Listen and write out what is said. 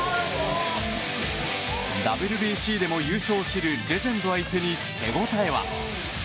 ＷＢＣでも優勝を知るレジェンド相手に手応えは。